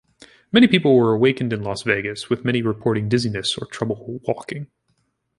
Many people were awakened in Las Vegas, with many reporting dizziness or trouble walking.